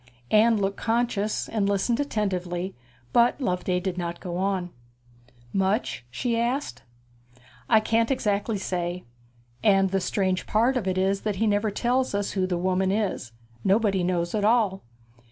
Anne looked conscious, and listened attentively; but Loveday did not go on. 'Much?' she asked. 'I can't exactly say. And the strange part of it is that he never tells us who the woman is. Nobody knows at all.'